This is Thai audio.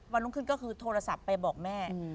รุ่งขึ้นก็คือโทรศัพท์ไปบอกแม่